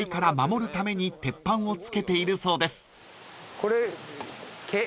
これ。